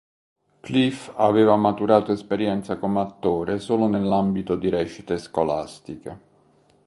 Cliff aveva maturato esperienza come attore solo nell'ambito di recite scolastiche.